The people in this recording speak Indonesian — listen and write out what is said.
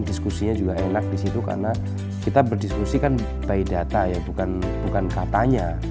diskusinya juga enak di situ karena kita berdiskusi kan by data ya bukan katanya